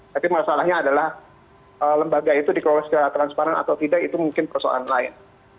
tapi masalahnya adalah lembaga itu dikelola secara transparan atau tidak itu mungkin persoalan lain